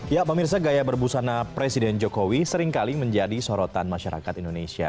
ya pak mirsa gaya berbusana presiden jokowi seringkali menjadi sorotan masyarakat indonesia